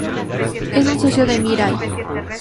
Es un socio de Mirai.